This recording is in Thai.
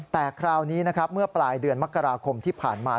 แต่คราวนี้นะครับเมื่อปลายเดือนมกราคมที่ผ่านมา